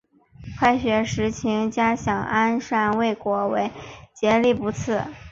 快雪时晴佳想安善未果为结力不次。